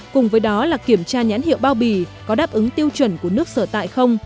cùng với đó là kiểm tra nhãn hiệu bao bì có đáp ứng tiêu chuẩn của nước sở tại không